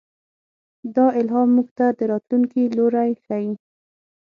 دا الهام موږ ته د راتلونکي لوری ښيي.